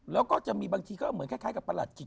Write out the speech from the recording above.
แล้วก็จะมีบางทีเขามีแค่กับประหลัดขิต